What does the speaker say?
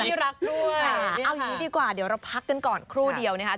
เอาอย่างนี้ดีกว่าเดี๋ยวเราพักกันก่อนครู่เดียว